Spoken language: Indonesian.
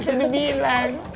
saya udah bilang